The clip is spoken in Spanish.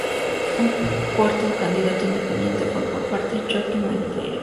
Un cuarto candidato independiente fue, por su parte, Joaquim Monteiro.